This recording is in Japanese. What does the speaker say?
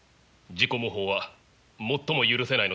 自己模倣は最も許せないのでしょうな。